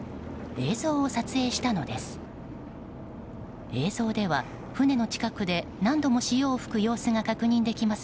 映像を撮影したのです。